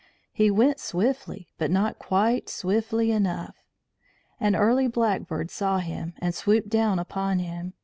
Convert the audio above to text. He went swiftly, but not quite swiftly enough. An early blackbird saw him, and swooped down upon him.